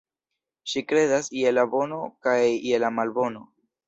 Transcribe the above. Ŝi kredas je la bono kaj je la malbono.